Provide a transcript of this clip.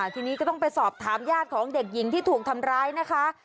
ทีนี้ก็ต้องไปสอบถามญาติของเด็กหญิงที่ถูกทำร้ายนะคะ